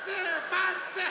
パンツー！」